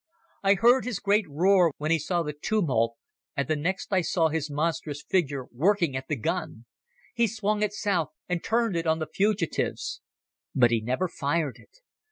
I heard his great roar when he saw the tumult, and the next I saw was his monstrous figure working at the gun. He swung it south and turned it on the fugitives. But he never fired it.